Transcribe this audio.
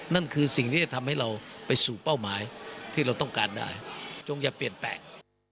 นั่นคือสิ่งที่จะทำให้เราไปสู่เป้าหมายที่เราต้องการได้จงอย่าเปลี่ยนแปลง